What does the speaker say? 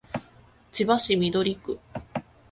千葉市緑区